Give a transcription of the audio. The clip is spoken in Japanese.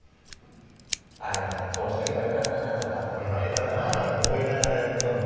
「あれはこうしておけばよかったな」とか「俺は下手だな」なんて思いながらやることのほうが多いですね。